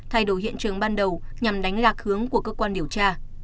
thay đổi hiện trường ban đầu nhằm đánh lạc hướng của cơ quan điều tra